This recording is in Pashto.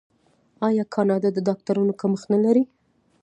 آیا کاناډا د ډاکټرانو کمښت نلري؟